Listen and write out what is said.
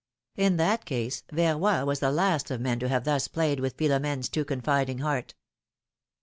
In that case, Verroy was the last of men to have thus played with Philom&ne's too confiding heart.